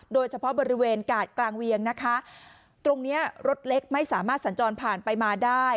โดยเฉพาะบริเวณกาดกลางเวียงนะคะตรงเนี้ยรถเล็กไม่สามารถสัญจรผ่านไปมาได้